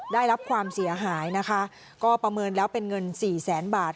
ได้รับความเสียหายนะคะก็ประเมินแล้วเป็นเงินสี่แสนบาท